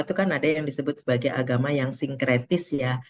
itu kan ada yang disebut sebagai agama yang sinkretis ya